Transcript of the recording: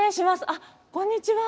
あっこんにちは。